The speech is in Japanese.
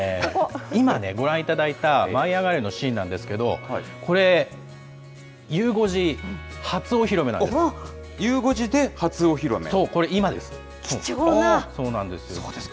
今、ご覧いただいた、舞いあがれ！のシーンなんですけれども、これ、ゆう５時初お披露目なんでゆう５時で初お披露目？